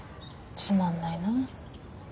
つまんないなあ。